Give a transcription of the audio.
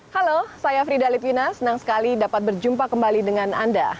halo saya frida litwina senang sekali dapat berjumpa kembali dengan anda